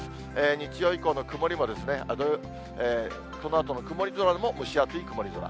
日曜以降の曇りも、そのあとの曇り空も蒸し暑い曇り空。